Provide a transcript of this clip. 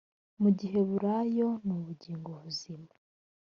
mu giheburayo ni ubugingo buzima